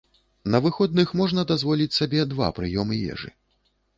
На выходных можна дазволіць сабе два прыёмы ежы.